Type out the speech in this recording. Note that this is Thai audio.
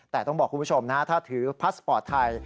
แต่ต้องบอกคุณผู้ชมนะถ้าถือพาสปอร์ตไทย